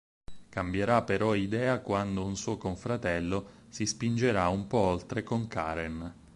Cambierà però idea quando un suo confratello si spingerà un po' oltre con Karen.